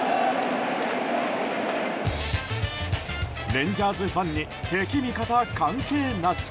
レンジャーズファンに敵味方関係なし！